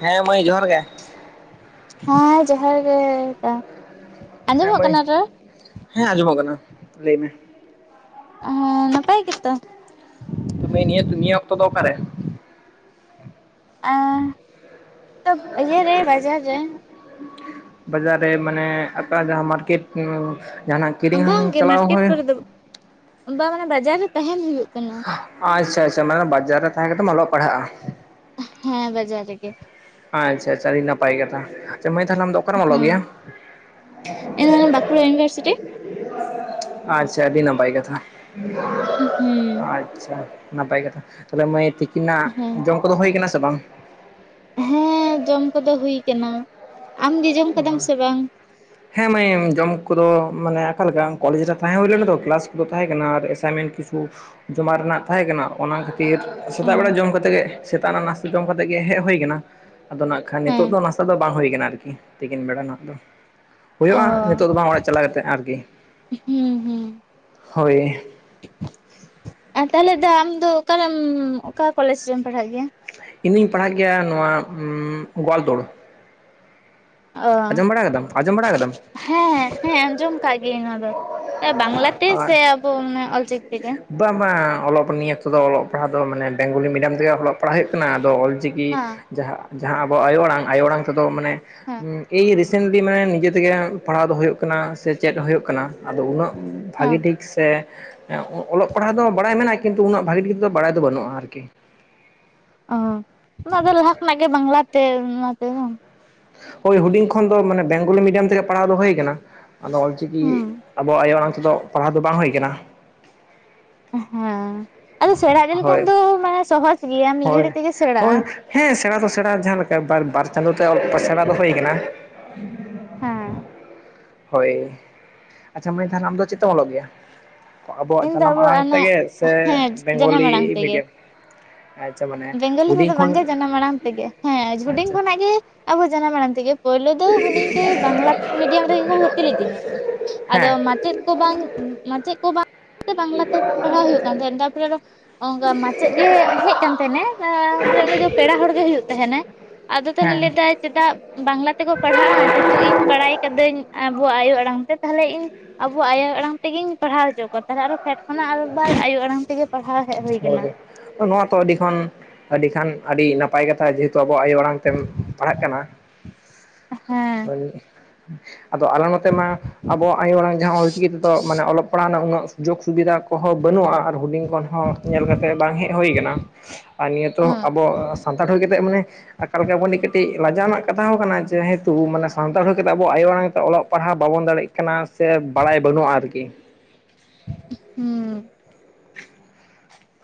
ᱦᱮᱸ ᱢᱟᱹᱭ ᱡᱚᱦᱟᱨ ᱜᱮ ᱦᱮᱸ ᱡᱚᱦᱟᱨ ᱜᱮ ᱦᱮᱸ ᱟᱸᱡᱚᱢᱚᱜ ᱢᱟᱹᱭ, ᱠᱟᱱᱟ ᱨᱚᱲ ᱦᱮᱸ ᱟᱸᱡᱚᱢᱚᱜ ᱠᱟᱱᱟ ᱞᱟᱹᱭ ᱢᱮ᱾ ᱚᱦᱚ ᱱᱟᱯᱟᱭ ᱜᱮᱛᱚ ᱛᱚᱵᱮ ᱱᱤᱭᱟᱹ ᱱᱤᱭᱠ ᱚᱠᱛᱚ ᱫᱚ ᱚᱠᱟᱨᱮ ᱚᱸ ᱛᱷᱟᱵ ᱤᱭᱟᱹ ᱨᱮ ᱵᱟᱡᱟᱨ ᱨᱮ ᱵᱟᱡᱟᱨ ᱨᱮ ᱢᱟᱱᱮ ᱟᱯᱮ ᱡᱟᱦᱟᱸ ᱢᱟᱨᱠᱮᱴ ᱡᱟᱦᱟᱱᱟᱜ [unintelligible] ᱵᱟᱝᱜᱮ ᱪᱟᱞᱟᱣ ᱢᱟᱨᱠᱮᱴ ᱦᱩᱭ ᱠᱚᱨᱮ ᱫᱚ ᱵᱟᱝ ᱢᱟᱱᱮ ᱵᱟᱡᱟᱨ ᱨᱮ ᱛᱟᱸᱦᱮᱱ ᱦᱳᱭᱳᱜ ᱟᱪᱪᱷᱟ ᱟᱪᱪᱷᱟ ᱢᱟᱱᱮ ᱵᱟᱡᱟᱨ ᱨᱮ ᱛᱟᱦᱮᱸ ᱠᱟᱛᱮᱜ ᱮᱢ ᱚᱞᱚᱜ ᱯᱟᱲᱦᱟᱜᱼᱟ, ᱦᱮᱸ ᱵᱟᱡᱟᱨ ᱨᱮᱜᱮ, ᱟᱪᱪᱷᱟ ᱟᱪᱪᱷᱟ ᱟᱹᱰᱤ ᱱᱟᱯᱟᱭ ᱠᱟᱛᱷᱟ, ᱟᱪᱪᱷᱟ ᱢᱟᱹᱭ ᱛᱟᱦᱚᱞᱮ ᱟᱢ ᱫᱚ ᱚᱠᱟᱨᱮᱢ ᱚᱞᱚᱜ ᱦᱮᱸ ᱜᱮᱭᱟ? ᱤᱧ [unintelligible] ᱵᱟᱠᱩᱲᱟ ᱭᱩᱱᱤᱵᱷᱟᱨᱥᱤᱴᱤ, ᱟᱪᱪᱷᱟ ᱟᱹᱰᱤ ᱱᱟᱯᱟᱭ ᱠᱟᱛᱷᱟ, ᱦᱩ ᱦᱩᱸ, ᱟᱪᱪᱷᱟ ᱱᱟᱯᱟᱭ ᱠᱟᱛᱷᱟ ᱛᱟᱦᱚᱞᱮ ᱢᱟᱹᱭ ᱛᱤᱠᱤᱱᱟᱜ ᱦᱮᱸ ᱡᱚᱢ ᱠᱚᱫᱚ ᱦᱳᱭ ᱟᱠᱟᱱᱟ ᱥᱮ ᱵᱟᱝ, ᱦᱮᱸ ᱡᱚᱢ ᱠᱚᱫᱚ ᱦᱩᱭ ᱠᱟᱱᱟ, ᱟᱢ ᱜᱮ ᱡᱚᱢ ᱠᱟᱫᱟᱢ ᱥᱮ ᱵᱟᱝ? ᱦᱮᱸ ᱢᱟᱹᱭ ᱡᱚᱢ ᱠᱚᱫᱚ ᱢᱟᱱᱮ ᱟᱠᱟ ᱞᱮᱠᱟ ᱠᱚᱞᱮᱡᱽ ᱨᱮ ᱛᱟᱦᱮᱸ ᱦᱩᱭ ᱞᱮᱱᱟ ᱭᱚ ᱠᱮᱞᱟᱥ ᱠᱚᱫᱚ ᱛᱟᱦᱮᱸ ᱠᱟᱱᱟ ᱟᱨ ᱮᱥᱟᱭ ᱢᱮᱱᱴ, ᱠᱤᱪᱷᱩ ᱡᱚᱢᱟ ᱨᱮᱱᱟᱜ ᱛᱟᱦᱮᱸ ᱠᱟᱱᱟ ᱚᱱᱟ ᱠᱷᱟᱹᱛᱤᱨ ᱚ ᱥᱮᱛᱟᱜ ᱵᱮᱲᱟ ᱡᱚᱢ ᱠᱟᱛᱮ ᱜᱮ ᱥᱮᱛᱟᱜ ᱨᱮᱱᱟᱜ ᱱᱟᱥᱛᱟ ᱡᱚᱢ ᱠᱟᱛᱮᱜ ᱜᱮ ᱦᱮᱡ ᱦᱩᱭ ᱠᱟᱱᱟ, ᱟᱫᱚ ᱱᱟᱜ ᱠᱷᱟᱱ ᱦᱮᱸ ᱱᱤᱛᱚᱜ ᱫᱚ ᱱᱟᱥᱛᱟ ᱫᱚ ᱵᱟᱝ ᱦᱩᱭ ᱠᱟᱱᱟ ᱟᱨᱠᱤ ᱛᱤᱠᱤᱱ ᱵᱮᱲᱟ ᱨᱮᱱᱟᱜ ᱫᱚ, ᱚ ᱦᱩᱭᱩᱜᱼᱟ ᱱᱤᱛᱚᱜ ᱫᱚ ᱵᱟᱝ ᱚᱲᱟᱜ ᱪᱟᱞᱟᱣ ᱠᱟᱛᱮ ᱟᱨᱠᱤ ᱦᱩᱸ ᱦᱩᱸ ᱦᱳᱭ, ᱟᱨ ᱛᱟᱦᱟᱞᱮ ᱫᱟ ᱟᱢ ᱫᱚ ᱚᱠᱟᱨᱮᱢ ᱚᱠᱟ ᱠᱚᱞᱮᱡᱽ ᱨᱮᱢ ᱯᱟᱲᱦᱟᱜ ᱜᱮᱭᱟ? ᱤᱧ ᱫᱩᱧ ᱯᱟᱲᱦᱟᱜ ᱜᱮᱭᱟ ᱱᱚᱣᱟ ᱩᱸ ᱜᱳᱭᱟᱞ ᱛᱳᱲ, ᱚ ᱟᱡᱚᱢ ᱵᱟᱲᱟ ᱠᱟᱫᱟᱢ ᱟᱡᱚᱢ ᱵᱟᱲᱟ ᱠᱟᱫᱟᱢ? ᱦᱮᱸ ᱦᱮᱸ ᱟᱸᱡᱚᱢ ᱠᱟᱜ ᱜᱤᱭᱟᱹᱧ, ᱱᱚᱣᱟ ᱫᱚ ᱵᱟᱝᱞᱟ ᱛᱮ ᱟᱨ ᱥᱮ ᱟᱵᱚ ᱢᱟᱱᱮ ᱚᱞᱪᱤᱠᱤ ᱛᱮ? ᱵᱟᱝ ᱵᱟᱝ ᱚᱞᱚᱜ ᱱᱤᱭᱟᱹ ᱛᱮᱫᱚ ᱚᱞᱚᱜ ᱯᱟᱲᱦᱟᱣ ᱫᱚ ᱢᱟᱱᱮ ᱵᱮᱝᱜᱚᱞᱤ ᱢᱤᱰᱤᱭᱟᱢ ᱛᱮᱜᱮ ᱚᱞᱚᱜ ᱯᱟᱲᱦᱟᱜ ᱦᱩᱭᱩᱜ ᱠᱟᱱᱟ ᱟᱫᱚ ᱚᱞ ᱪᱤᱠᱤ ᱦᱮᱸ ᱡᱟᱦᱟᱸ ᱡᱟᱦᱟᱸ ᱟᱵᱚ ᱟᱭᱳ ᱟᱲᱟᱝ ᱟᱭᱳ ᱟᱲᱟᱝ ᱛᱮᱫᱚ ᱢᱟᱱᱮ ᱦᱮᱸ ᱮᱭ ᱨᱤᱥᱮᱱᱴᱞᱤ ᱢᱟᱱᱮ ᱱᱤᱡᱮ ᱛᱮᱜᱮ ᱯᱟᱲᱦᱟᱣ ᱫᱚ ᱦᱩᱭᱩᱜ ᱠᱟᱱᱟ ᱥᱮ ᱪᱮᱫ ᱦᱩᱭᱩᱜ ᱠᱟᱱᱟ ᱟᱫᱚ ᱩᱱᱟᱹᱜ ᱦᱮᱸ ᱵᱷᱟᱜᱤ ᱴᱷᱤᱠ ᱥᱮ ᱚᱞᱚᱜ ᱯᱟᱲᱦᱟᱣ ᱫᱚ ᱵᱟᱲᱟᱭ ᱢᱮᱱᱟᱜ-ᱟ ᱠᱤᱱᱛᱩ ᱩᱱᱟᱹᱜ ᱵᱷᱟᱜᱤ ᱴᱷᱤᱠ ᱠᱟᱛᱮ ᱫᱚ ᱵᱟᱲᱟᱭ ᱫᱚ ᱵᱟᱹᱱᱩᱜᱼᱟ ᱟᱨ ᱠᱤ, ᱚᱸ ᱚᱱᱟ ᱫᱚ ᱞᱟᱦᱟ ᱠᱷᱚᱱᱟᱜ ᱜᱮ ᱵᱟᱝᱞᱟᱛᱮ ᱚᱱᱟᱛᱮ ᱵᱟᱝ, ᱦᱳᱭ ᱦᱩᱰᱤᱧ ᱠᱷᱚᱱ ᱫᱚ ᱢᱟᱱᱮ ᱵᱮᱝᱜᱚᱞᱤ ᱢᱤᱰᱤᱭᱟᱢ ᱛᱮᱜᱮ ᱯᱟᱲᱦᱟᱣ ᱫᱚ ᱦᱩᱭ ᱟᱠᱟᱱᱟ, ᱟᱫᱚ ᱚᱞ ᱪᱤᱠᱤ ᱦᱩᱸ ᱟᱵᱚᱣᱟᱜ ᱟᱭᱳ ᱟᱲᱟᱝ ᱛᱮᱫᱚ ᱯᱟᱲᱦᱟᱣ ᱫᱚ ᱵᱟᱝ ᱦᱳᱭ ᱠᱟᱱᱟ, ᱦᱮᱸ ᱟᱫᱚ ᱥᱮᱬᱟ ᱤᱫᱤ ᱦᱳᱭ ᱞᱮᱠᱷᱟᱱ ᱫᱚ ᱢᱟᱱᱮ ᱥᱚᱦᱚᱡᱽ ᱜᱮᱭᱟ ᱢᱤᱫ ᱦᱳᱭ ᱜᱷᱟᱹᱲᱤᱡ ᱛᱮᱜᱮ ᱥᱮᱬᱟᱜᱼᱟ, ᱦᱳᱭ ᱦᱮᱸ ᱥᱮᱬᱟ ᱫᱚ ᱥᱮᱬᱟ ᱡᱟᱦᱟᱸ ᱞᱮᱠᱟ ᱵᱟᱨ ᱪᱟᱸᱫᱳ ᱛᱮ ᱚᱞ ᱥᱮᱬᱟ ᱫᱚ ᱦᱩᱭ ᱠᱟᱱᱟ, ᱦᱮᱸ ᱦᱳᱭ ᱟᱪᱪᱷᱟ ᱢᱟᱹᱭ ᱛᱟᱦᱚᱞᱮ ᱟᱢ ᱫᱚ ᱪᱮᱫ ᱛᱮᱢ ᱚᱞᱚᱜ ᱜᱮᱭᱟ? ᱟᱵᱚᱣᱟᱜ ᱤᱧ ᱫᱚ ᱡᱟᱱᱟᱢ ᱟᱵᱚ ᱟᱲᱟᱝ ᱚᱱᱟ ᱛᱮᱜᱮ ᱥᱮ ᱦᱮᱸ ᱡᱟᱱᱟᱢ ᱵᱮᱝᱜᱚᱞᱤ ᱟᱲᱟᱝ ᱢᱤᱰᱤᱭᱟᱢ? [inaudible] ᱟᱪᱪᱷᱟ ᱢᱟᱱᱮ ᱵᱮᱝᱜᱚᱞᱤ ᱦᱩᱰᱤᱧ ᱛᱮᱫᱚ ᱠᱷᱚᱱ ᱵᱟᱝ ᱜᱮ ᱡᱟᱱᱟᱢ ᱟᱲᱟᱝ ᱛᱮᱜᱮ ᱦᱮᱸ ᱦᱩᱰᱤᱧ ᱟᱪᱪᱷᱟ ᱠᱷᱚᱱᱟᱜ ᱜᱮ ᱟᱵᱚ ᱡᱟᱱᱟᱢ ᱟᱲᱟᱝ ᱛᱮᱜᱮ, ᱯᱳᱭᱞᱳ ᱫᱚ ᱦᱩᱰᱤᱧ ᱨᱮ ᱵᱟᱝᱞᱟ ᱢᱤᱰᱤᱭᱟᱢ ᱨᱮᱜᱮ ᱠᱚ ᱵᱷᱩᱨᱛᱤ ᱞᱤᱫᱤᱧᱟ, ᱟᱫᱚ ᱦᱮᱸ ᱢᱟᱪᱮᱫ ᱠᱚ ᱵᱟᱝ ᱢᱟᱪᱮᱫ ᱠᱚ ᱵᱟᱝ ᱵᱟᱝᱞᱟᱛᱮ ᱯᱟᱲᱦᱟᱣ ᱦᱩᱭᱩᱜ ᱠᱟᱱ ᱛᱟᱦᱮᱫ ᱛᱟᱨᱯᱚᱨᱮ ᱟᱫᱚ ᱚᱱᱠᱟ ᱢᱟᱪᱮᱫ ᱜᱮ ᱦᱮᱡᱽ ᱠᱟᱱ ᱛᱟᱦᱮᱸ ᱱᱮ ᱮᱸ ᱩᱱᱤ ᱫᱚ ᱯᱮᱲᱟ ᱦᱚᱲ ᱜᱮ ᱦᱩᱭᱩᱜ ᱛᱟᱦᱮᱱᱟᱭ ᱟᱫᱚ ᱛᱟᱦᱚᱞᱮ ᱦᱮᱸ ᱞᱟᱹᱭ ᱫᱟᱭ ᱪᱮᱫᱟᱜ ᱵᱟᱝᱞᱟ ᱛᱮᱠᱚ ᱯᱟᱲᱦᱟᱜᱼᱟ ᱡᱮᱦᱮᱛᱩ ᱤᱧ ᱵᱟᱲᱟᱭ ᱠᱟᱹᱫᱟᱹᱧ ᱟᱵᱚᱣᱟᱜ ᱟᱭᱳ ᱟᱲᱟᱝ ᱛᱮ ᱛᱟᱦᱚᱞᱮ ᱤᱧ ᱟᱵᱚ ᱟᱭᱳ ᱟᱲᱟᱝ ᱛᱮᱜᱤᱧ ᱯᱟᱲᱦᱟᱣ ᱦᱚᱪᱚ ᱠᱚᱣᱟ, ᱛᱟᱦᱚᱞᱮ ᱟᱨᱦᱚ ᱯᱷᱮᱰ ᱠᱷᱚᱱᱟᱜ ᱟᱨ ᱮᱠ ᱵᱟᱨ ᱟᱭᱳ ᱟᱲᱟᱝ ᱛᱮᱜᱮ ᱯᱟᱲᱦᱟᱣ ᱦᱮᱡ ᱦᱳᱭ ᱠᱟᱱᱟ, ᱱᱚᱣᱟ ᱛᱚ ᱟᱹᱰᱤ ᱠᱷᱚᱱ ᱟᱹᱰᱤ ᱠᱷᱟᱱ ᱟᱹᱰᱤ ᱱᱟᱯᱟᱭ ᱠᱟᱛᱷᱟ ᱡᱮᱦᱮᱛᱩ ᱟᱵᱚᱣᱟᱜ ᱟᱭᱳ ᱟᱲᱟᱝ ᱛᱮᱢ ᱯᱟᱲᱦᱟᱜ ᱠᱟᱱᱟ ᱦᱮᱸ [unintelligible] ᱟᱫᱚ ᱟᱞᱮ ᱱᱚᱛᱮ ᱢᱟ ᱟᱵᱚᱣᱟᱜ ᱟᱭᱳ ᱟᱲᱟᱝ ᱡᱟᱦᱟᱸ ᱚᱞᱪᱤᱠᱤ ᱛᱮᱫᱚ ᱢᱟᱱᱮ ᱚᱞᱚᱜ ᱯᱟᱲᱦᱟᱣ ᱨᱮᱱᱟᱜ ᱩᱱᱟᱹᱜ ᱡᱳᱜᱽ ᱥᱩᱵᱤᱫᱷᱟ ᱠᱚᱦᱚᱸ ᱵᱟᱹᱱᱩᱜᱼᱟ ᱟᱨ ᱦᱩᱰᱤᱝ ᱠᱷᱚᱱ ᱦᱚᱸ ᱧᱮᱞ ᱠᱟᱛᱮ ᱵᱟᱝ ᱦᱮᱡ ᱦᱩᱭ ᱟᱠᱟᱱᱟ, ᱟᱨ ᱱᱤᱭᱟᱹ ᱛᱚ ᱟᱵᱚ ᱥᱟᱱᱛᱟᱲ ᱦᱩᱭ ᱠᱟᱛᱮᱫ ᱢᱟᱱᱮ ᱮᱠᱟᱞ ᱜᱮ ᱟᱵᱚ ᱱᱤ ᱠᱟᱹᱴᱤᱡ, ᱞᱟᱡᱟᱣ ᱨᱮᱱᱟᱜ ᱠᱟᱛᱷᱟ ᱦᱚᱸ ᱠᱟᱱᱟ ᱡᱮᱦᱮᱛᱩ ᱢᱟᱱᱮ ᱥᱟᱱᱛᱟᱲ ᱦᱩᱭ ᱠᱟᱛᱮᱫ ᱟᱵᱚ ᱟᱭᱳ ᱟᱲᱟᱝ ᱛᱮ ᱚᱞᱚᱜ ᱯᱟᱲᱦᱟᱣ ᱵᱟᱵᱚᱱ ᱫᱟᱲᱮᱜ ᱠᱟᱱᱟ ᱥᱮ ᱵᱟᱲᱟᱭ ᱵᱟᱹᱱᱩᱜᱼᱟ ᱟᱨᱠᱤ, ᱦᱩᱸ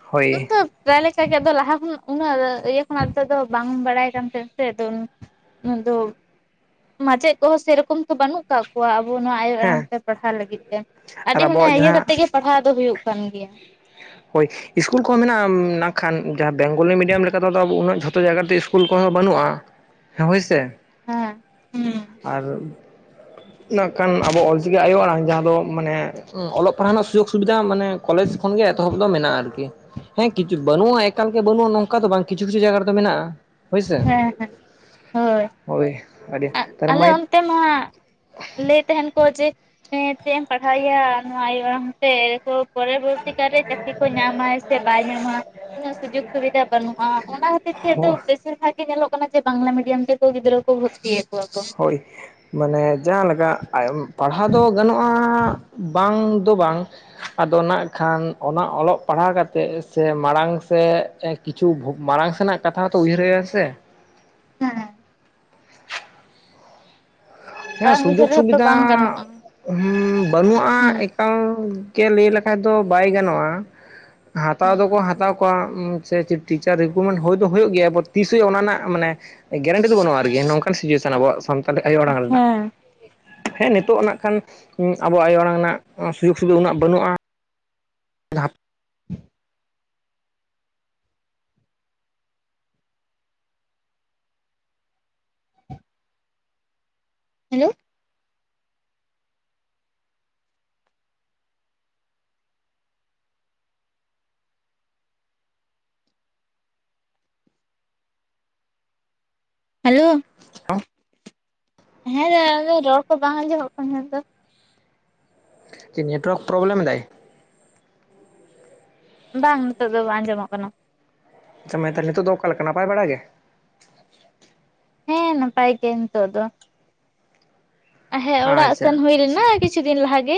ᱦᱳᱭ [unintelligible] ᱯᱨᱟᱭ ᱞᱮᱠᱟᱜ ᱟᱫᱚ ᱞᱟᱦᱟ ᱠᱷᱚᱱ ᱩᱱᱟᱹᱜ ᱤᱭᱟᱹ ᱠᱷᱚᱱᱟᱜ ᱛ ᱫᱚ ᱵᱟᱝ ᱵᱟᱲᱟᱭ ᱠᱟᱱ ᱛᱟᱦᱮᱸᱱᱟ ᱥᱮ ᱟᱫᱚ ᱩᱱ ᱮᱠᱫᱚᱢ ᱢᱟᱪᱮᱫ ᱠᱚᱦᱚᱸ ᱥᱮᱨᱚᱠᱚᱢ ᱛᱚ ᱵᱟᱹᱱᱩᱜ ᱟᱠᱟᱫ ᱠᱚᱣᱟ ᱟᱵᱚ ᱱᱚᱣᱟ ᱟᱭᱳ ᱟᱲᱟᱝ ᱦᱮᱸ ᱛᱮ ᱯᱟᱲᱦᱟᱣ ᱞᱟᱹᱜᱤᱫ ᱟᱨ ᱟᱹᱰᱤ ᱢᱟᱱᱮ ᱟᱵᱚᱣᱟᱜ ᱤᱭᱟᱹ ᱠᱟᱛᱮ ᱡᱟᱦᱟᱸ ᱜᱮ ᱯᱟᱲᱦᱟᱣ ᱫᱚ ᱦᱩᱭᱩᱜ ᱠᱟᱱ ᱜᱮᱭᱟ ᱦᱳᱭ ᱤᱥᱠᱩᱞ ᱠᱚᱦᱚᱸ ᱢᱮᱱᱟᱜᱼᱟᱠᱷᱟᱱ ᱡᱟᱦᱟᱸ ᱵᱮᱝᱜᱚᱞᱤ ᱢᱤᱰᱤᱭᱟᱢ ᱞᱮᱠᱟ ᱛᱮᱫᱚ ᱟ ᱩᱱᱟᱹᱜ ᱡᱷᱚᱛᱚ ᱡᱟᱭᱜᱟᱛᱮ ᱠᱩᱞ ᱠᱚᱦᱚᱸ ᱵᱟᱹᱱᱩᱜᱼᱟ᱾ ᱦᱮᱸ ᱦᱳᱭᱥᱮ ᱦᱮᱸ ᱦᱩᱸ ᱟᱨ ᱱᱟᱜ ᱠᱷᱟᱱ ᱟᱵᱚ ᱚᱞᱪᱤᱠᱤ ᱟᱭᱳ ᱟᱲᱟᱝ ᱡᱟᱦᱟᱸ ᱫᱚ ᱢᱟᱱᱮ ᱚᱞᱚᱜ ᱯᱟᱲᱦᱟᱣ ᱨᱮᱱᱟᱜ ᱥᱩᱡᱳᱜᱽ ᱥᱩᱵᱤᱫᱟ ᱢᱟᱱᱮ ᱠᱚᱞᱮᱡᱽ ᱠᱷᱚᱱ ᱜᱮ ᱮᱛᱚᱦᱚᱵ ᱫᱚ ᱢᱮᱱᱟᱜᱼᱟ ᱟᱨᱠᱤ ᱦᱮᱸ ᱠᱤᱪᱷᱩ ᱵᱟᱹᱱᱩᱜᱼᱟ ᱮᱠᱟᱞ ᱜᱮᱮ ᱵᱟᱹᱱᱩᱜᱼᱟ ᱱᱚᱝᱠᱟ ᱫᱚ ᱵᱟᱝ ᱠᱤᱪᱷᱩ, ᱠᱤᱪᱷᱩ ᱡᱟᱭᱜᱟ ᱨᱮᱫᱚ ᱢᱮᱱᱟᱜᱼᱟ᱾ ᱦᱳᱭᱥᱮ ᱦᱮᱸ ᱦᱮᱸ ᱦᱳᱭ ᱟᱹᱰᱤ ᱛᱟᱨ ᱟᱞᱮ ᱢᱟᱱᱮ ᱚᱱᱛᱮ ᱢᱟ ᱞᱟᱹᱭ ᱛᱟᱦᱮᱱ ᱠᱚ ᱡᱮ ᱮᱸᱻ ᱪᱮᱫ ᱮᱢ ᱯᱟᱲᱦᱟᱣᱮᱭᱟ ᱱᱚᱣᱟ ᱤᱭᱟᱹ ᱦᱮᱸᱥᱮ ᱛᱚ, ᱯᱚᱨᱚᱵᱚᱨᱛᱤ ᱠᱟᱞᱨᱮ ᱪᱟᱹᱠᱨᱤ ᱠᱚ ᱧᱟᱢᱟᱭ ᱥᱮ ᱵᱟᱭ ᱧᱟᱢᱟ ᱩᱱᱟᱹᱜ ᱥᱩᱡᱳᱜᱽ ᱥᱩᱵᱤᱫᱷᱟ ᱵᱟᱹᱱᱩᱜᱼᱟ ᱚᱱᱟ ᱱᱤᱛᱳᱜ ᱫᱚ ᱵᱮᱥᱤᱨ ᱵᱷᱟᱜᱽ ᱜᱮ ᱧᱮᱞᱚᱜ ᱠᱟᱱᱟ ᱡᱮ ᱵᱟᱝᱞᱟ ᱢᱤᱰᱤᱭᱟᱢ ᱛᱮᱠᱚ ᱜᱤᱫᱽᱨᱟᱹ ᱠᱚ ᱵᱷᱚᱨᱛᱤᱭᱮᱫ ᱠᱚᱣᱟ ᱠᱚ ᱦᱳᱭ ᱢᱟᱱᱮ ᱡᱟᱦᱟᱸᱞᱮᱠᱟ ᱯᱟᱲᱦᱟᱣ ᱫᱚ ᱜᱟᱱᱚᱜᱼᱟ ᱵᱟᱝ ᱫᱚ ᱵᱟᱝ ᱟᱫᱚ ᱱᱟᱜ ᱠᱷᱟᱱ ᱚᱱᱟ ᱚᱞᱚᱜ ᱯᱟᱲᱦᱟᱣ ᱠᱟ ᱠᱟᱛᱮᱫ ᱥᱮ ᱢᱟᱲᱟᱝ ᱥᱮᱫ ᱠᱤᱪᱷᱩ ᱵᱷᱩ ᱢᱟᱲᱟᱝ ᱥᱮᱱᱟᱜ ᱠᱟᱛᱷᱟ ᱦᱚᱸᱛᱚ ᱩᱭᱦᱟᱹᱨ ᱦᱩᱭᱩᱜ-ᱟ ᱥᱮ ᱦᱮᱸ ᱦᱮᱸ ᱵᱟᱝ ᱩᱭᱦᱟᱹᱨ ᱥᱩᱡᱳᱜᱽ ᱨᱮᱦᱚᱸ ᱛᱚ ᱥᱩᱵᱤᱫᱷᱟ ᱵᱟᱝ ᱜᱟᱱᱚᱜᱼᱟ ᱦᱩᱸ ᱵᱟᱹᱱᱩᱜᱼᱟ᱾ ᱠᱟ ᱜᱮ ᱞᱟᱹᱭ ᱞᱮᱠᱷᱷᱟᱡ ᱫᱚ ᱵᱟᱭ ᱜᱟᱱᱚᱜᱼᱟ ᱦᱟᱛᱟᱣ ᱫᱚᱠᱚ ᱦᱟᱛᱟᱣ ᱠᱚ ᱥᱮ ᱴᱤᱪᱟᱨ ᱨᱤᱠᱨᱩᱴᱢᱮᱱᱴ ᱦᱩᱭ ᱫᱚ ᱦᱩᱭᱩᱜ ᱜᱮᱭᱟ ᱮᱨᱯᱚᱨ ᱛᱤᱥ ᱦᱩᱭᱩᱜ-ᱟ ᱚᱱᱟ ᱨᱮᱱᱟᱜ ᱢᱟᱱᱮ ᱜᱮᱨᱮᱱᱴᱤ ᱫᱚ ᱵᱟᱹᱱᱩᱜ-ᱟ ᱟᱨᱠᱤ ᱱᱚᱝᱠᱟᱱ ᱥᱤᱪᱩᱭᱮᱥᱚᱱ ᱟᱵᱚᱣᱟᱜ ᱥᱟᱱᱛᱟᱞᱤ ᱟᱭᱳ ᱟᱲᱟᱝ ᱨᱮᱱᱟᱜ ᱦᱮᱸ ᱦᱮᱸ ᱱᱤᱛᱚᱜ ᱱᱟᱜ ᱠᱷᱟᱱ ᱟᱵᱚ ᱟᱭᱳ ᱟᱲᱟᱝ ᱨᱮᱱᱟᱜ ᱥᱩᱡᱳᱜᱽ ᱥᱩᱵᱤᱫᱷᱟ ᱩᱱᱟᱹᱜ ᱵᱟᱹᱱᱩᱜᱼᱟ [unintelligible] [inaudible] ᱦᱮᱞᱳ ᱦᱮᱞᱳ ᱦᱮᱸ ᱫᱫᱚ ᱨᱚᱲ ᱠᱚ ᱵᱟᱝ ᱟᱸᱡᱚᱢᱚᱜ ᱠᱟᱱᱟ ᱛᱟᱦᱮᱸ ᱫᱚ᱾ ᱱᱮᱴᱚᱣᱟᱨᱠ ᱯᱨᱚᱵᱞᱮᱢ ᱫᱟᱭ ᱵᱟᱝ ᱱᱤᱛᱚᱜ ᱫᱚ ᱵᱟᱝ ᱟᱸᱡᱚᱢᱚᱜ ᱠᱟᱱᱟ ᱟᱪᱷᱟ ᱢᱟ ᱛᱟᱦᱞᱮ ᱱᱤᱛᱚᱜ ᱫᱚ ᱚᱠᱟ ᱞᱮᱠᱟ ᱱᱟᱯᱟᱭ ᱵᱟᱲᱟ ᱜᱮ ᱱᱟᱯᱟᱛᱮ ᱱᱤᱛᱚᱜ ᱫᱚ ᱦᱮᱸ ᱚᱲᱟᱜ ᱥᱮᱱ ᱟᱪᱪᱷᱟ ᱦᱩᱭ ᱟᱪᱪᱷᱟ ᱞᱮᱱᱟ ᱠᱤᱪᱷᱩ ᱫᱤᱱ ᱞᱟᱦᱟ ᱜᱮ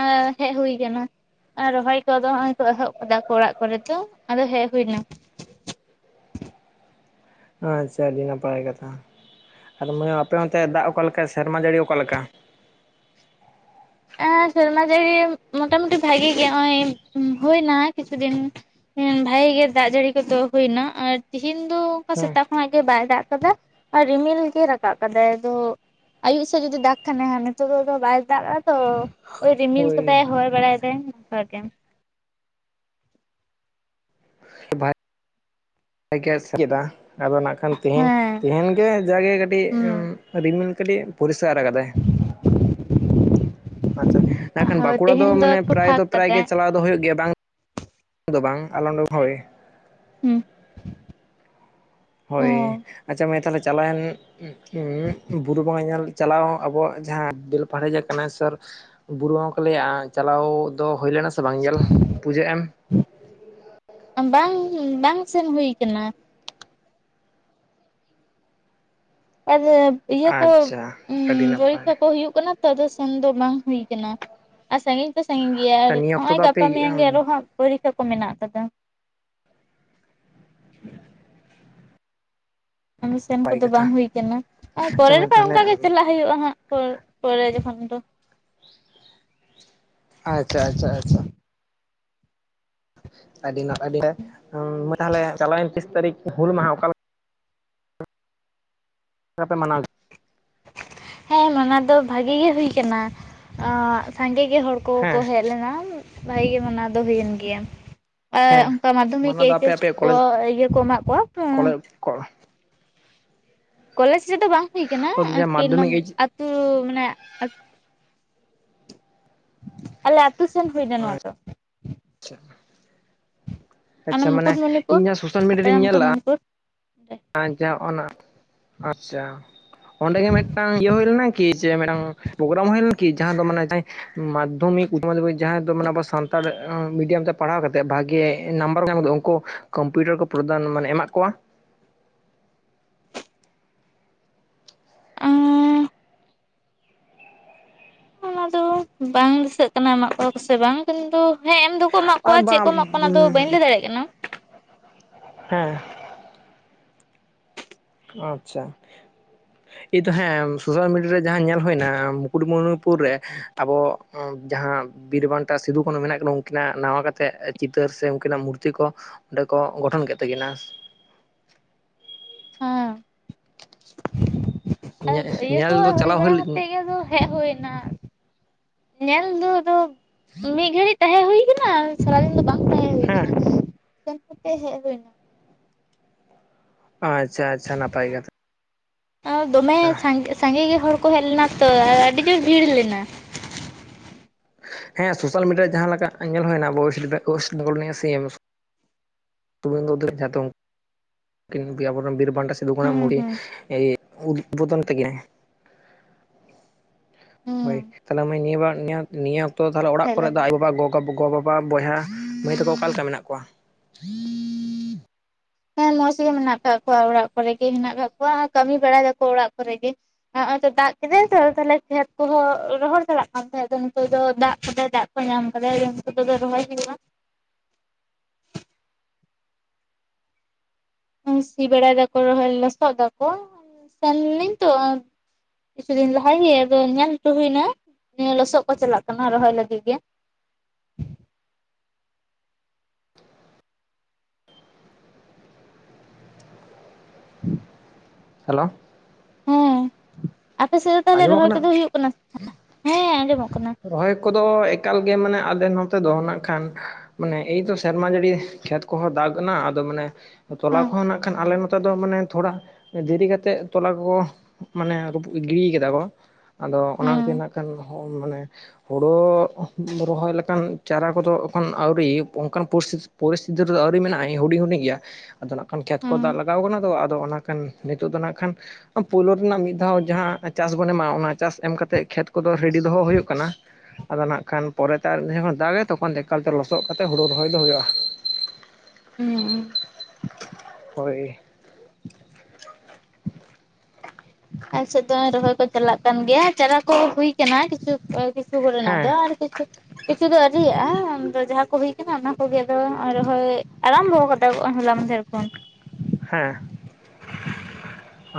ᱮᱸᱻ ᱦᱮᱡ ᱦᱩᱭ ᱠᱟᱱᱟ ᱟᱨ ᱨᱚᱦᱚᱭ ᱠᱚᱫᱚ ᱦᱚᱸᱜ-ᱚᱭ ᱠᱚ ᱮᱦᱚᱵ ᱠᱟᱫᱟ ᱠᱚ ᱚᱲᱟᱜ ᱠᱚᱨᱮ ᱫᱚ ᱟᱫᱚ ᱦᱮᱡ ᱦᱩᱭᱱᱟ ᱟᱪᱪᱷᱟ ᱟᱹᱰᱤ ᱱᱟᱯᱟᱭᱟᱭ ᱠᱟᱛᱷᱟ ᱟᱫᱚ ᱱᱚᱣᱟ ᱟᱯᱮ ᱚᱱᱚᱛᱮ ᱫᱟᱜ ᱚᱠᱟ ᱞᱮᱠᱟ ᱥᱮᱨᱢᱟ ᱡᱟᱹᱲᱤ ᱚᱠᱟᱞᱮᱠᱟ ᱮᱸᱻ ᱥᱨᱢᱟᱡᱟᱹᱲᱤ ᱢᱚᱴᱟᱢᱩᱩᱴᱤ ᱵᱷᱟᱜᱤ ᱜᱮ ᱦᱚᱸᱜᱼᱚᱭ ᱦᱩᱭᱱᱟ ᱠᱤᱪᱷᱩ ᱫᱤᱱ ᱦᱮᱸ ᱵᱷᱟᱜᱤ ᱜᱮ ᱫᱟᱜ ᱡᱟᱹᱲᱤ ᱠᱚᱫᱚ ᱦᱩᱭᱱᱟ ᱟᱨ ᱛᱤᱦᱤᱧ ᱫᱚ ᱚᱝᱠᱟ ᱦᱮᱸ ᱥᱮᱛᱟᱜ ᱚᱱᱟ ᱜᱮ ᱵᱟᱭ ᱫᱟᱜ ᱠᱟᱫᱟ ᱟᱨ ᱨᱤᱢᱤᱞ ᱜᱮ ᱨᱟᱠᱟᱵ ᱠᱟᱫᱟᱭ ᱟᱫᱚ ᱟᱭᱩᱵ ᱥᱮᱫ ᱡᱩᱫᱤ ᱫᱟᱜ ᱠᱷᱟᱱᱮ ᱦᱟᱸᱜ ᱱᱤᱛᱚᱜ ᱫᱚ ᱟᱫᱚ ᱵᱟᱭ ᱫᱟᱜᱽ ᱛᱚ ᱳᱭ ᱨᱤᱢᱤᱞ ᱦᱳᱭ ᱠᱟᱫᱟᱭ ᱦᱚᱭ ᱵᱟᱲᱟᱭᱮᱫᱟᱭ ᱚᱱᱠᱟ ᱜᱮ ᱵᱷᱟᱭ [unintelligible] ᱟᱫᱚ ᱱᱟᱜ ᱠᱷᱟᱱ ᱛᱤᱦᱤᱧ ᱦᱮᱸ ᱛᱤᱦᱤᱧ ᱜᱮ ᱡᱟᱜᱮ ᱠᱟᱹᱴᱤᱡ ᱦᱩᱸ ᱨᱤᱢᱤᱞ ᱠᱟᱹᱴᱤᱡ ᱯᱚᱨᱤᱥᱠᱟᱨ ᱠᱟᱫᱟᱭ ᱟᱪᱪᱷᱟ, ᱢᱮᱱᱠᱷᱟᱱ ᱦᱳᱭ ᱵᱟᱸᱠᱩᱲᱟ ᱫᱚ ᱛᱮᱦᱮᱧ ᱢᱟᱱᱮ ᱮᱠᱴᱩ ᱯᱨᱟᱭ ᱯᱷᱟᱸᱠ ᱫᱚ ᱯᱨᱟᱭ ᱠᱟᱫᱟᱭ ᱜᱮ ᱪᱟᱞᱟᱣ ᱫᱚ ᱦᱩᱭᱩᱜ ᱜᱮᱭᱟ ᱵᱟᱝ ᱫᱚ ᱵᱟᱝ ᱟᱞᱮ ᱚᱸᱰᱮ ᱦᱳᱭ ᱦᱩᱸ᱾ ᱦᱳᱭ ᱟᱪᱪᱷᱟ ᱢᱮ ᱛᱟᱦᱚᱞᱮ ᱪᱟᱞᱟᱣᱮᱱ ᱵᱩᱨᱩ ᱵᱚᱸᱜᱟ ᱧᱮᱞ ᱪᱟᱞᱟᱣ ᱟᱵᱚᱣᱟᱜ ᱡᱟᱦᱟᱸ ᱵᱮᱞᱯᱟᱦᱟᱲᱤᱟᱜ ᱠᱟᱱᱟ ᱥᱟ. ᱨ ᱵᱩᱨᱩ ᱦᱚᱸᱠᱚ ᱞᱟᱹᱭᱟ ᱪᱟᱞᱟᱣ ᱫᱚ ᱦᱩᱭ ᱞᱮᱱᱟ ᱥᱮ ᱵᱟᱝ ᱧᱮᱞ ᱯᱩᱡᱟᱹᱜ ᱮᱢ ᱵᱟᱝ ᱵᱟᱝ ᱥᱮᱱ ᱦᱩᱭ ᱟᱠᱟᱱᱟ ᱟᱨ ᱤᱭᱟᱹ ᱠᱚ ᱟᱪᱪᱷᱟ ᱟᱹᱰᱤ ᱱᱟᱯᱟᱭ ᱯᱚᱨᱤᱠᱠᱷᱟ ᱠᱚ ᱦᱩᱭᱩᱜ ᱠᱟᱱᱟ᱾ ᱛᱚ ᱫᱚ ᱥᱮᱱ ᱫᱚ ᱵᱟᱝ ᱦᱩᱭ ᱠᱟᱱᱟ ᱟᱨ ᱥᱟᱺᱜᱤᱧ ᱛᱚ ᱥᱟᱺᱜᱤᱧ ᱜᱮᱭᱟ, ᱟᱨ ᱱᱤᱭᱟᱹ ᱚᱠᱛᱚ ᱱᱚᱜᱼᱚᱭ ᱫᱚ ᱟᱯᱮ ᱜᱟᱯᱟ ᱢᱮᱭᱟᱝ ᱜᱮ ᱟᱨᱚ ᱱᱟᱯᱟᱭ ᱦᱟᱸᱜ ᱯᱚᱨᱤᱠᱷᱟ ᱠᱚ ᱢᱮᱱᱟᱜ ᱠᱟᱫᱟ᱾ ᱠᱟᱢᱤ ᱥᱮᱱ ᱠᱚᱫᱚ ᱠᱟᱛᱷᱟ ᱵᱟᱝ ᱦᱩᱭ ᱠᱟᱱᱟ ᱟᱪᱪᱷᱟ ᱯᱚᱨᱮ ᱨᱮ ᱢᱟᱹᱭ ᱛᱟᱦᱚᱞᱮ ᱚᱱᱠᱟ ᱜᱮ ᱪᱟᱞᱟᱜᱼᱟ ᱦᱩᱭᱩᱜᱼᱟ ᱦᱟᱸᱜ ᱯᱚᱨ ᱯᱚᱨᱮ ᱡᱚᱠᱷᱚᱱ ᱫᱚ᱾ ᱟᱪᱪᱷᱟ ᱟᱪᱪᱷᱟ ᱟᱪᱪᱷᱟ᱾ ᱟᱹᱰᱤ ᱱᱟ ᱟᱹᱰᱤ ᱛᱟᱦᱞᱮ ᱪᱟᱞᱟᱣᱮᱱ ᱛᱤᱥ ᱛᱟᱹᱨᱤᱠᱷ ᱦᱩᱞ ᱢᱟᱦᱟ ᱚᱠᱟᱞᱮ ᱪᱮᱫ ᱞᱮᱠᱟᱯᱮ ᱢᱟᱱᱟᱣ ᱦᱮᱸ ᱚᱱᱟ ᱫᱚ ᱵᱷᱟᱜᱤ ᱜᱮ ᱦᱩᱭ ᱠᱟᱱᱟ, ᱟᱸᱜ ᱥᱟᱸᱜᱮ ᱜᱮ ᱦᱚᱲ ᱠᱚ ᱠᱚ ᱠᱚ ᱦᱮᱸ ᱦᱮᱡ ᱞᱮᱱᱟ ᱵᱷᱟᱜᱤ ᱜᱮ ᱢᱟᱱᱟᱣ ᱫᱚ ᱦᱩᱭᱮᱱ ᱜᱮᱭᱟ᱾ ᱮᱻ ᱦᱮᱸ ᱚᱱᱠᱟ ᱢᱟᱫᱽᱫᱷᱚᱢᱤᱠ ᱢᱟᱱᱟᱣ ᱫᱚ ᱟᱯᱮ ᱮᱭᱤᱪᱮᱥ ᱟᱯᱮᱭᱟᱜ ᱠᱚ ᱤᱭᱟᱹ ᱠᱚ ᱮᱢᱟᱜ ᱠᱚᱣᱟ᱾ ᱠᱚ ᱠᱚᱞᱮᱡᱽ ᱥᱮᱫᱚ ᱵᱟᱝ ᱦᱩᱭ ᱟᱠᱟᱱᱟ ᱟᱨᱠᱤ ᱢᱟᱫᱽᱫᱷᱚᱢᱤᱠ ᱮᱭᱤᱪ ᱟᱹᱛᱩ ᱢᱟᱱᱮ ᱟᱞᱮ ᱟᱛᱩ ᱥᱮᱱ ᱦᱩᱭᱱᱟ ᱱᱚᱣᱟ ᱫᱚ ᱟᱪᱪᱷᱟ ᱚᱱᱟ ᱟᱪᱪᱷᱟ ᱢᱟᱱᱮ ᱢᱩᱠᱩᱴᱢᱩᱱᱤᱯᱩᱨ ᱤᱧ ᱡᱟᱦᱟᱸ ᱥᱳᱥᱟᱞ ᱢᱤᱰᱤᱭᱟ ᱠᱷᱟᱛᱲᱟ ᱨᱤᱧ ᱧᱮᱞᱟᱼᱟ᱾ ᱢᱩᱠᱩᱴᱢᱩᱱᱤᱯᱩᱨ ᱚᱸᱰᱮ ᱟᱪᱪᱷᱟ ᱚᱱᱟ ᱟᱪᱪᱷᱟ ᱚᱸᱰᱮᱜ ᱢᱤᱫᱴᱟᱝ ᱤᱭᱟᱹ ᱦᱩᱭ ᱞᱮᱱᱟ ᱠᱤ? ᱡᱮ ᱢᱤᱫᱴᱟᱝ ᱯᱨᱳᱜᱨᱟᱢ ᱦᱩᱭ ᱞᱮᱱᱟ? ᱠᱤ ᱡᱟᱦᱟᱸ ᱫᱚ ᱢᱟᱱᱮ ᱡᱟᱦᱟᱸ ᱢᱟᱫᱽᱫᱷᱚᱢᱤᱠ ᱡᱟᱦᱟᱸ ᱫᱚ ᱢᱟᱱᱮ ᱟᱵᱚ ᱥᱟᱱᱛᱟᱲ ᱢᱤᱰᱤᱭᱟᱢ ᱛᱮ ᱯᱟᱲᱦᱟᱣ ᱠᱟᱛᱮᱫ ᱵᱷᱟᱜᱮ ᱱᱟᱢᱵᱟᱨ ᱠᱚ ᱧᱟᱢᱮᱫᱟ ᱩᱱᱠᱩ ᱠᱚᱢᱯᱤᱭᱩᱴᱟᱨ ᱠᱚ ᱯᱨᱚᱫᱟᱱ ᱢᱟᱱᱮ ᱮᱢᱟᱟᱜ ᱠᱚᱣᱟ᱾ ᱟᱸ ᱚᱱᱟ ᱫᱚ ᱵᱟᱝ ᱫᱤᱥᱟᱹᱜ ᱠᱟᱱᱟ ᱮᱢᱟᱜ ᱠᱚᱣᱟ ᱥᱮ ᱵᱟᱝ ᱠᱤᱱᱛᱩ ᱦᱮᱸ ᱮᱢ ᱫᱚᱠᱚ ᱮᱟᱜ ᱟᱨ ᱠᱚᱣᱟ ᱪᱮᱫ ᱠᱚ ᱵᱟᱝ ᱮᱢᱟᱜ ᱠᱚᱣᱟ ᱚᱱᱟ ᱫᱚ ᱵᱟᱹᱧ ᱞᱟᱹᱭ ᱫᱟᱲᱮᱭᱟᱜ ᱠᱟᱱᱟ᱾ ᱦᱮᱸ ᱟᱪᱪᱷᱟ᱾ ᱛᱟᱦᱮᱸᱱ ᱥᱳᱥᱟᱞ ᱢᱤᱰᱤᱭᱟ ᱨᱮ ᱡᱟᱦᱟᱸ ᱧᱮᱞ ᱦᱩᱭᱱᱟ ᱢᱩᱠᱩᱴᱢᱩᱱᱚᱱᱤᱯᱩᱨ ᱨᱮ ᱟᱵᱚ ᱡᱟᱦᱟᱸ ᱵᱤᱨᱵᱟᱱᱴᱟ ᱥᱤᱫᱩ ᱠᱟᱹᱱᱦᱩ ᱢᱮᱱᱟᱜ ᱠᱤᱱᱟ ᱩᱱᱠᱤᱱᱟᱜ ᱱᱟᱣᱟ ᱠᱟᱛᱮᱮᱫ ᱪᱤᱛᱟᱹᱨ ᱥᱮ ᱩᱱᱠᱤᱱᱟᱜ ᱢᱩᱨᱛᱤ ᱠᱚ ᱚᱸᱰᱮ ᱠᱚ ᱜᱚᱴᱷᱚᱱ ᱠᱮᱫ ᱛᱟᱹᱠᱤᱱᱟ᱾ ᱦᱮᱸ ᱤᱭᱟᱹ ᱠᱚ ᱧᱮᱞ ᱫᱚ ᱦᱩᱭ ᱪᱟᱞᱟᱣ ᱵᱟᱲᱟ ᱠᱟᱛᱮ ᱞᱮᱱ ᱜᱮ ᱟᱫᱚ ᱦᱮᱡ ᱦᱩᱭ ᱱᱟ᱾ ᱧᱮᱞ ᱫᱚ ᱟᱫᱚ ᱢᱤᱫ ᱜᱷᱟᱹᱲᱤᱡ ᱛᱟᱦᱮᱸ ᱦᱩᱭ ᱠᱟᱱᱟ, ᱥᱟᱨᱟᱫᱤᱱ ᱫᱚ ᱵᱟᱝ᱾ ᱛᱟᱦᱮᱸ ᱦᱩᱭ ᱦᱮᱸ ᱠᱟᱱᱟ ᱥᱮᱱ ᱠᱟᱛᱮ ᱦᱮᱡ ᱦᱩᱭ ᱱᱟ᱾ ᱟᱪᱪᱷᱟ ᱪᱷᱟ ᱱᱟᱯᱟᱭ ᱠᱟᱛᱷᱟ᱾ ᱫᱚᱢᱮ ᱥᱟᱸᱜᱮ ᱥᱟᱸᱜᱮ ᱜᱮ ᱦᱚᱲ ᱠᱚ ᱦᱮᱡ ᱞᱮᱱᱟ ᱛᱚ, ᱟᱨ ᱟᱹᱰᱤ ᱡᱳᱨ ᱵᱷᱤᱲ ᱞᱮᱱᱟ᱾ ᱦᱮᱸ ᱥᱳᱥᱟᱞ ᱢᱤᱰᱤᱭᱟ ᱨᱮ ᱡᱟᱦᱟᱸ ᱞᱮᱠᱟ ᱧᱮᱞ ᱦᱩᱭᱱᱟ ᱚᱭᱮᱥ ᱚᱭᱮᱥᱴ ᱵᱮᱝᱜᱚᱞ ᱥᱤ ᱮᱢ ᱥᱩᱵᱮᱱᱫᱨᱚ [unintelligible] ᱟᱵ ᱵᱤᱨᱵᱷᱟᱱᱴᱟ ᱥᱤᱫᱩ ᱜ ᱦᱩᱸ ᱢᱩᱲᱤ ᱦᱩᱸ ᱩᱫᱽᱵᱳᱫᱚᱱ ᱛᱟᱹᱠᱤᱱᱟ ᱦᱩᱸ ᱦᱳᱭ ᱛᱟᱦᱞᱮ ᱱᱤᱭᱟᱹ ᱵᱟᱨ ᱱᱤᱭᱟᱹ ᱚᱠᱛᱚ ᱚᱲᱟᱜ ᱦᱮᱡ ᱠᱚᱨᱮ ᱞᱮᱱ ᱫᱚ ᱜᱮᱭᱟ ᱟᱭᱳᱼᱵᱟᱵᱟ ᱜᱚᱜ ᱜᱚᱼᱵᱟᱵᱟ ᱵᱚᱭᱦᱟ ᱢᱟᱹᱭ ᱛᱟᱠᱚ ᱚᱠᱟ ᱞᱮᱠᱟ ᱢᱮᱱᱟᱜ ᱠᱚᱣᱟ? ᱦᱮᱸ ᱢᱚᱸᱡᱽ ᱜᱮ ᱢᱮᱱᱟᱜ ᱟᱠᱟᱟᱜ ᱠᱚᱣᱟ ᱚᱲᱟᱜ ᱠᱚᱨᱮ ᱜᱮ ᱦᱮᱱᱟᱜ ᱠᱟᱜ ᱠᱚᱣᱟ ᱠᱟᱹᱢᱤ ᱵᱟᱲᱟᱭ ᱫᱟᱠᱚ ᱚᱲᱟᱜ ᱠᱚᱨᱮ ᱜᱮ᱾ ᱱᱚᱦᱚᱭ ᱛᱚ ᱫᱟᱜ ᱠᱮᱫᱟᱭ ᱛᱚ ᱛᱟᱦᱞᱮ ᱠᱷᱮᱛ ᱠᱚᱦᱚᱸ ᱨᱚᱦᱚᱲ ᱪᱟᱞᱟᱜ ᱠᱟᱱ ᱛᱟᱦᱮᱸᱫ ᱱᱤᱛᱚᱜ ᱫᱚ ᱫᱟᱜ ᱠᱚᱞ ᱫᱟᱜ ᱠᱚ ᱧᱟᱢ ᱠᱟᱫᱟ ᱩᱱᱠᱩ ᱨᱚᱦᱚᱭ ᱦᱩᱭᱩᱜᱼᱟ᱾ ᱥᱤᱵᱟᱲᱟᱟᱭ ᱫᱟᱠᱚ ᱨᱚᱦᱚᱭ ᱞᱚᱥᱚᱫ ᱫᱟᱠᱚ ᱥᱮᱱᱞᱮᱱᱟᱹᱧ ᱛᱚ ᱠᱤᱪᱷᱩ ᱫᱤᱱ ᱞᱟᱦᱟ ᱜᱮ ᱟᱫᱚ ᱧᱮᱞ ᱦᱚᱴᱚ ᱦᱩᱭᱱᱟ ᱱᱤᱭᱟᱹ ᱞᱚᱥᱚᱫ ᱠᱚ ᱪᱟᱞᱟᱜ ᱠᱟᱱᱟ ᱨᱚᱦᱚᱭ ᱞᱟᱹᱜᱤᱫ ᱜᱮ ᱦᱮᱞᱳ᱾ ᱦᱮᱸ ᱟᱯᱮ ᱥᱮᱫ ᱫᱚ ᱛᱟᱦᱚᱞᱮ ᱨᱚᱦᱚᱭ ᱠᱚᱫᱚ ᱦᱩᱭᱩᱜ ᱠᱟᱱᱟ? ᱦᱮᱸ ᱟᱸᱡᱚᱢᱚᱜ ᱠᱟᱱᱟ᱾ ᱨᱚᱦᱚᱭ ᱠᱚᱫᱚ ᱮᱠᱟᱞᱜᱮ ᱢᱟᱱᱮ ᱟᱞᱮ ᱱᱚᱛᱮ ᱫᱚ ᱱᱟᱜ ᱠᱷᱟᱱ ᱢᱟᱱᱮ ᱮᱭᱛ ᱥᱮᱨᱢᱟ ᱡᱟᱹᱲᱤ ᱠᱷᱮᱛ ᱠᱚᱦᱚᱸ ᱫᱟᱜ ᱮᱱᱟ ᱟᱫᱚ ᱢᱟᱱᱮ ᱛᱚᱞᱟ ᱦᱮᱸ ᱠᱚᱦᱚᱸ ᱱᱟᱜ ᱠᱷᱟᱱ ᱟᱞᱮ ᱱᱚᱛᱮ ᱫᱚ ᱢᱟᱱᱮ ᱛᱷᱚᱲᱟ ᱫᱮᱨᱤ ᱠᱟᱛᱮᱮᱫ ᱛᱚᱞᱟ ᱠᱚᱠᱚ ᱢᱟᱱᱮ ᱨᱟᱹᱯᱩ ᱜᱤᱰᱤ ᱠᱟᱫᱟ ᱠᱚ ᱟᱫᱚ ᱚᱱᱟ ᱠᱷᱛᱤᱨ ᱦᱮᱸ ᱱᱟᱜ ᱠᱷᱟᱱ ᱢᱟᱱᱮ ᱦᱳᱲᱳ ᱨᱚᱦᱚᱭ ᱞᱮᱠᱟᱱ ᱪᱟᱨᱟ ᱠᱚᱫᱚ ᱮᱠᱷᱚᱱ ᱟᱹᱣᱨᱤ ᱚᱱᱠᱟᱱ ᱯᱚᱨᱤᱥᱛᱷᱤᱛᱤ ᱯᱚᱨᱤᱥᱛᱷᱤᱛᱤ ᱨᱮᱫᱚ ᱟᱹᱣᱨᱤ ᱢᱮᱱᱟᱜᱼᱟ ᱦᱩᱰᱤᱧ ᱦᱩᱰᱤᱧ ᱜᱮᱭᱟ᱾ ᱟᱫᱚ ᱱᱟᱜ ᱠᱷᱟᱱ ᱠᱷᱮᱛ ᱦᱮᱸ ᱠᱚ ᱫᱟᱜ ᱞᱟᱜᱟᱣ ᱠᱟᱱᱟ ᱟ ᱟᱫᱚ ᱚᱱᱟ ᱠᱷᱟᱱ ᱱᱤᱛᱳᱜ ᱫᱚ ᱱᱟᱜ ᱠᱷᱟᱱ ᱯᱩᱭᱭᱞᱳ ᱨᱮᱱᱟᱜ ᱢᱤᱫ ᱫᱷᱟᱣ ᱡᱟᱦᱟᱸ ᱪᱟᱥ ᱵᱚᱱ ᱮᱢᱟ ᱚᱱᱟ ᱪᱟᱥ ᱮᱢ ᱠᱟᱛᱮ ᱠᱷᱮᱛ ᱠᱚᱫᱚ ᱨᱮᱰᱤ ᱫᱚᱦᱚ ᱦᱩᱭᱩᱜ ᱠᱟᱱᱟ᱾ ᱠᱟᱱᱟ ᱟᱫᱚ ᱱᱟᱜ ᱠᱷᱟᱱ ᱯᱚᱨᱮᱛᱮ ᱡᱚᱠᱷᱚᱱ ᱫᱟᱜ ᱮ ᱛᱚᱠᱷᱚᱱ ᱮᱠᱟᱞᱛᱮ ᱞᱚᱥᱚᱫ ᱠᱟᱛᱮᱫ ᱦᱩᱲᱩ ᱨᱚᱦᱚᱭ ᱫᱚ ᱦᱩᱭᱩᱜᱼᱟ! ᱦᱩᱸᱸ ᱦᱳᱭ ᱟᱞ ᱥᱮᱫ ᱫᱚ ᱨᱚᱦᱚᱭ ᱠᱚ ᱪᱟᱞᱟᱜ ᱠᱟᱱ ᱜᱮᱭᱟ ᱪᱟᱨᱟ ᱠᱚ ᱦᱩᱭ ᱟᱠᱟᱱᱟ ᱠᱤᱪᱷᱩ ᱠᱤᱥᱩ ᱠᱚᱱᱟ ᱫᱚ ᱦᱮᱸ ᱟᱨ ᱠᱤᱪᱩ ᱠᱤᱪᱷᱩ ᱫᱚ ᱟᱹᱤᱭᱟᱜᱼᱟ ᱟ ᱡᱟᱦᱟᱸ ᱠᱚ ᱦᱩᱭ ᱟᱠᱟᱱᱟ ᱚᱱᱟ ᱠᱚᱜᱮ ᱨᱚᱦᱚᱭ ᱟᱨᱟᱢ ᱦᱚ ᱠᱟᱫᱟ ᱨᱚᱦᱚᱭ ᱮᱫᱟ, ᱦᱚᱞᱟ ᱢᱟᱦᱫᱮᱨ ᱠᱷᱚᱱ ᱦᱮᱸ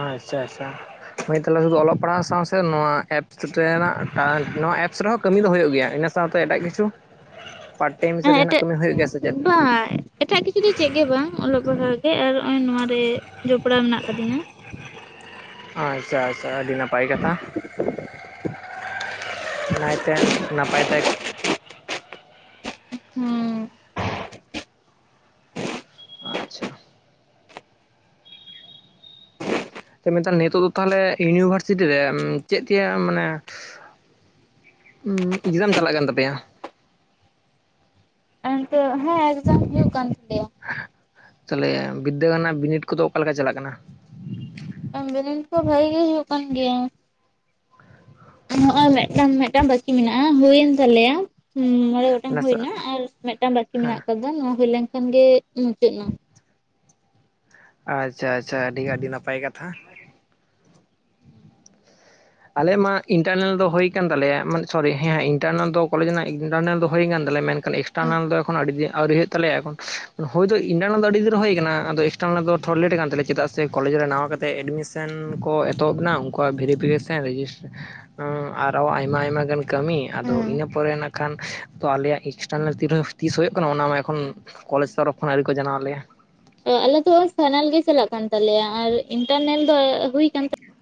ᱟᱪᱪᱷᱟ ᱟᱪᱪᱷᱟ᱾ ᱢ ᱛᱟᱦᱚᱞᱮ ᱥᱩᱫᱷᱩ ᱚᱞᱚᱜ ᱯᱟᱲᱦᱟᱣ ᱥᱟᱶ ᱥᱮ ᱱᱚᱣᱟ ᱮᱯᱥ ᱨᱮᱱᱟᱜ ᱱᱚᱣᱟ ᱮᱯᱥ ᱨᱮᱦᱚᱸ ᱠᱟᱹᱢᱤ ᱫᱚ ᱦᱩᱭᱩᱜ ᱜᱮᱭᱟ ᱤᱱᱟᱹ ᱥᱟᱶᱛᱮ ᱮᱴᱟᱜ ᱠᱤᱪᱷᱩ ᱯᱟᱟᱨᱴ ᱴᱟᱭᱤᱢ ᱦᱤᱥᱟᱹᱵ ᱦᱮᱸ ᱡᱟᱦᱟᱱᱟᱜ ᱮᱴᱟᱜ ᱠᱟᱹᱢᱤ ᱦᱩᱭᱩᱜ ᱜᱮᱭᱟ ᱥᱮ ᱪᱮᱫ? ᱵᱟᱝ ᱮᱴᱟᱜ ᱠᱤᱪᱷᱩ ᱫᱚ ᱪᱮᱫ ᱜᱮ ᱵᱟᱝ ᱚᱞᱚᱜ ᱯᱟᱲᱦᱟᱜ ᱜᱮ ᱟᱨ ᱱᱚᱜ ᱚᱚᱭ ᱱᱚᱣᱟ ᱨᱮ ᱡᱚᱯᱲᱟᱣ ᱢᱮᱱᱟᱜ ᱟᱠᱟᱫᱤᱧᱟ ᱟᱪᱪᱷᱟ ᱟᱪᱪᱷᱟ ᱟᱹᱰᱤ ᱱᱟᱯᱟᱭ ᱠᱟᱛᱷᱟ᱾ [unintelligible] ᱱᱟᱭᱛᱮ ᱱᱟᱯᱟᱭ ᱛᱮ᱾ ᱦᱩᱸ ᱟᱪᱪᱷᱟ ᱥᱮ ᱢᱮᱱᱠᱷ ᱱᱤᱛᱚᱜ ᱫᱚ ᱛᱟᱦᱚᱞᱮ ᱤᱭᱩᱱᱤᱵᱷᱟᱨᱥᱤᱴᱤ ᱨᱮ ᱪᱮᱫ ᱛᱮᱭᱟᱜ ᱢᱟᱱᱮ ᱮᱠᱡᱟᱢ ᱪᱟᱞᱟᱜ ᱠᱟᱱ ᱛᱟᱯᱮᱭᱟ? ᱚᱱᱛᱮ ᱦᱮᱸ ᱮᱠᱡᱟᱢ ᱦᱩᱭᱩᱜ ᱠᱟᱱ ᱛᱟᱞᱮᱭᱟ᱾ ᱛᱟᱦᱚᱞᱮ ᱵᱤᱫᱽᱫᱟᱹᱜᱟᱲ ᱨᱮᱱᱟᱜ ᱵᱤᱱᱤᱰ ᱠᱚᱫᱚ ᱚᱠᱟᱞᱮᱠᱟ ᱪᱟᱞᱟᱜ ᱠᱟᱱᱟ? ᱮᱢ ᱵᱤᱱᱤᱰ ᱠᱚ ᱵᱷᱟᱜᱤ ᱜᱮ ᱦᱩᱭᱩᱜ ᱠᱟᱱ ᱜᱮᱭᱟ ᱱᱚᱜᱼᱚᱭ ᱢᱤᱫᱴᱟᱝ ᱢᱤᱫᱴᱟᱝ ᱵᱟᱹᱠᱤ ᱢᱮᱱᱟᱜᱼᱟ ᱦᱩᱭᱮᱱ ᱛᱟᱞᱮᱭᱟ ᱦᱩᱸ ᱢᱚᱬᱮ ᱜᱚᱴᱟᱝ ᱦ ᱮᱱᱟ ᱟᱨ ᱢᱤᱫᱴᱟᱝ ᱵᱟᱠᱤ ᱦᱮᱸ ᱢᱮᱱᱟᱜ ᱟᱠᱟᱫᱟ ᱱᱚᱣᱟ ᱦᱩᱭ ᱞᱮᱱᱠᱷᱟᱱᱜᱮ‌ ᱢᱩᱪᱟᱹᱫ ᱮᱱᱟ ᱟᱪᱪᱷᱟ ᱟᱪᱪᱷᱟ ᱟᱹᱰᱤ ᱟᱹᱰᱤ ᱱᱟᱯᱟᱭ ᱠᱟᱛᱷᱟ᱾ ᱦᱩᱸ ᱟᱞᱮ ᱢᱟ ᱤᱱᱴᱟᱨᱱᱮᱞ ᱫᱚ ᱦᱩᱭ ᱠᱟᱱᱟᱱ ᱛᱟᱞᱮᱭᱟ ᱢᱟᱱ ᱥᱚᱨᱤ ᱦᱮᱸ ᱤᱱᱴᱟᱨᱱᱮᱞ ᱫᱚ ᱠᱚᱞᱮᱡᱽ ᱨᱮᱱᱟᱜ ᱤᱱᱴᱟᱨᱱᱮᱞ ᱫᱚ ᱦᱩᱭ ᱠᱟᱱ ᱛᱟᱞᱮᱭᱟ ᱢᱮᱱᱠᱷᱟᱱ ᱮᱱᱠᱷᱟᱱ ᱦᱮᱸ ᱮᱠᱥᱴᱟᱨᱱᱟᱞ ᱫᱚ ᱮᱠᱷᱚᱱ ᱟᱹᱰᱤ ᱫᱤᱱ ᱟᱹᱣᱨᱤ ᱦᱩᱭᱩᱜ ᱛᱟᱞᱮᱭᱟ ᱮᱠᱷᱚᱱ ᱦᱳᱭᱚᱛ ᱤᱱᱴᱟᱨᱱᱟᱞ ᱫᱚ ᱟᱹᱰᱤ ᱫᱤᱱᱮᱨ ᱦᱩᱭ ᱟᱠᱟᱱᱟ ᱟᱫᱚ ᱮᱠᱥᱴᱟᱨᱱᱟᱞ ᱫᱚ ᱛᱷᱚᱲᱟ ᱞᱮᱴ ᱟᱠ ᱛᱮᱭᱟ ᱪᱮᱫᱟᱜ ᱥᱮ ᱠᱚᱞᱮᱡᱽ ᱨᱮ ᱱᱟᱣᱟ ᱠᱟᱛᱮ ᱮᱰᱢᱤᱥ ᱥᱮᱮᱱ ᱠᱚ ᱮᱛᱚᱦᱚᱵ ᱮᱱᱟ ᱩᱱᱠᱩᱣᱟᱜ ᱵᱷᱮᱨᱤᱯᱷᱤᱠᱮᱥᱮᱱ ᱨᱮᱡᱤᱥᱴᱟᱨ ᱟᱨᱚ ᱟᱭᱢᱟ ᱟᱭᱢᱟ ᱜᱟᱱ ᱠᱟᱹᱢᱤ ᱟᱫᱚ ᱦᱮᱸ ᱤᱱᱟᱹ ᱯᱚᱨᱮ ᱱᱟᱜ ᱠᱷᱟᱱ ᱟᱞᱮᱭᱟᱜ ᱮᱠᱥᱴᱟᱨᱱᱮᱞ ᱛᱤᱨ ᱛᱤᱥ ᱦᱩᱭᱩᱜ ᱠᱟᱱᱟ ᱚᱱᱟᱢᱟ ᱮᱠᱷᱚᱱ ᱠᱚᱞᱮᱡᱽ ᱛᱚᱨᱚᱯ ᱠᱷᱚᱱ ᱟᱹᱣᱨᱤ ᱠᱚ ᱡᱟᱱᱟᱣ ᱞᱮᱭᱟ᱾ ᱟᱞᱮ ᱯᱷᱟᱭᱱᱟᱞ ᱜᱮ ᱪᱟᱞᱟᱜ ᱠᱟᱱ ᱛᱟᱞᱮᱭᱟ ᱟᱨ ᱤᱱᱴᱟᱨᱱᱮᱞ ᱫᱚ ᱦᱩᱭ ᱠᱟᱱ ᱛᱟᱞᱮᱭᱟ᱾